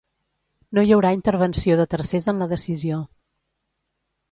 No hi haurà intervenció de tercers en la decisió.